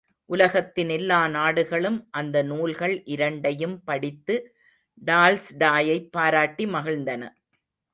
உலகத்தின் எல்லா நாடுகளும் அந்த நூல்கள் இரண்டையும் படித்து டால்ஸ்டாயைப் பாராட்டி மகிழ்ந்தன.